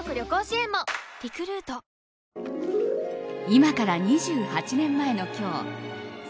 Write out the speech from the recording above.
今から２８年前の今日